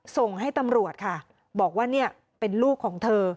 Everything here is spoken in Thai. ส่งให้ตำรวจค่ะบอกว่าเนี่ยเป็นลูกของเธอ